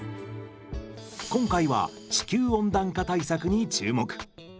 今回は地球温暖化対策に注目。